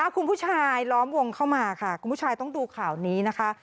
คุณผู้ชายล้อมวงเข้ามาค่ะคุณผู้ชายต้องดูข่าวนี้นะคะ